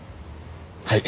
はい。